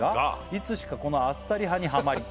「いつしかこのあっさり派にハマり」